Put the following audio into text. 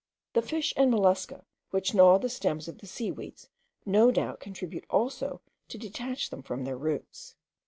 The fish and mollusca which gnaw the stems of the seaweeds no doubt contribute also to detach them from their roots.